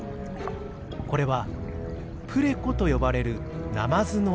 これはプレコと呼ばれるナマズの仲間。